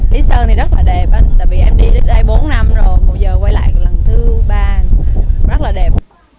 lý sơn thì rất là đẹp tại vì em đi đến đây bốn năm rồi một giờ quay lại lần thứ ba rất là đẹp